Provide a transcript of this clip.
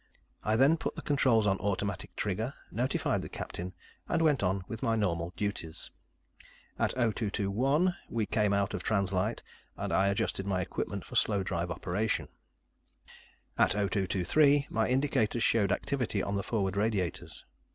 I then put the controls on automatic trigger, notified the captain, and went on with my normal duties. At 0221, we came out of trans light, and I adjusted my equipment for slow drive operation. At 0223, my indicators showed activity on the forward radiators.